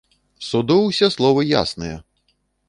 Суду ўсе словы ясныя!